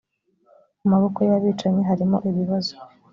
mu maboko y abicanyi harimo ibibazo